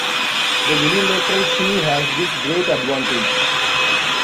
The unilateral shoe has this great advantage.